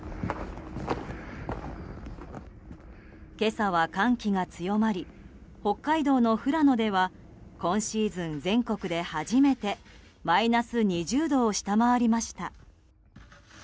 今朝は寒気が強まり北海道の富良野では今シーズン全国で初めてマイナス２０度を下回りました。